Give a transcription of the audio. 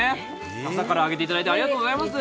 朝から揚げていただいてありがとうございます